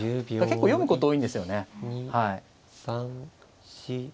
だから結構読むこと多いんですよね。